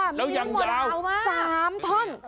แล้วยังยาวสามท่อน